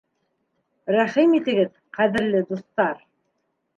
Рәхим итегеҙ, ҡәҙерле дуҫтар!